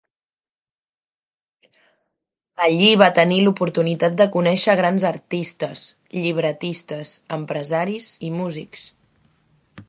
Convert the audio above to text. Allí va tenir l'oportunitat de conèixer a grans artistes, llibretistes, empresaris i músics.